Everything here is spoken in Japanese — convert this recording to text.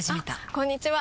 あこんにちは！